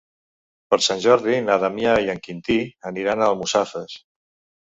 Per Sant Jordi na Damià i en Quintí aniran a Almussafes.